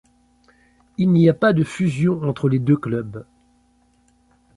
Il n'y a pas de fusion entre les deux clubs.